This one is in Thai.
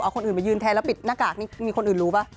เอาคนอื่นมายืนแทนแล้วปิดหน้ากากนี่มีคนอื่นรู้ป่ะ